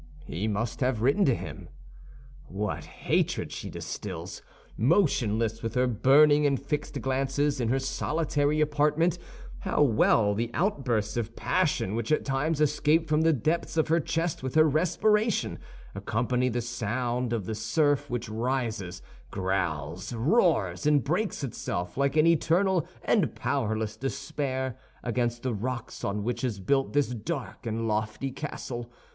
He must have written to him. What hatred she distills! Motionless, with her burning and fixed glances, in her solitary apartment, how well the outbursts of passion which at times escape from the depths of her chest with her respiration, accompany the sound of the surf which rises, growls, roars, and breaks itself like an eternal and powerless despair against the rocks on which is built this dark and lofty castle!